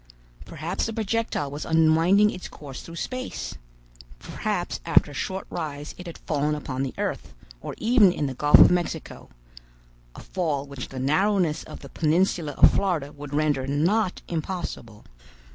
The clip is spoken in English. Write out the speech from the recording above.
Perhaps the projectile was unwinding its course through space. Perhaps after a short rise it had fallen upon the earth, or even in the Gulf of Mexico—a fall which the narrowness of the peninsula of Florida would render not impossible.